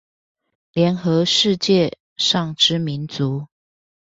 聯合世界上之民族